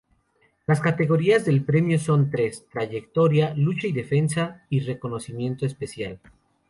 Las categorías del premio son tres: Trayectoria, Lucha y Defensa, y Reconocimiento Especial.